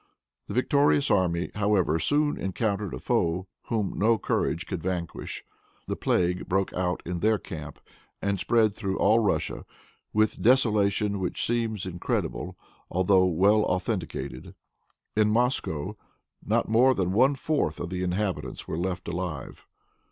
The victorious army, however, soon encountered a foe whom no courage could vanquish. The plague broke out in their camp, and spread through all Russia, with desolation which seems incredible, although well authenticated. In Moscow, not more than one fourth of the inhabitants were left alive.